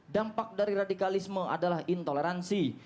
dampak dari radikalisme adalah intoleransi